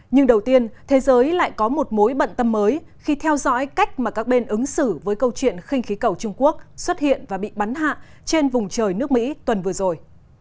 bối bận tâm mới khi theo dõi cách mà các bên ứng xử với câu chuyện khinh khí cầu trung quốc xuất hiện và bị bắn hạ trên vùng trời nước mỹ tuần vừa rồi